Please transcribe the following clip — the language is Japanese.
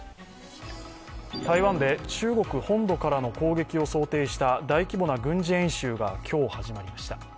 台湾で中国本土からの攻撃を想定した大規模な軍事演習が今日、始まりました。